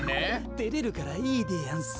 てれるからいいでやんす。